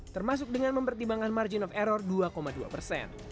termasuk dengan mempertimbangkan margin of error dua dua persen